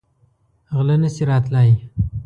غله نه شي راتلی.